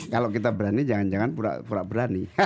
kalau kita berani jangan jangan pura pura berani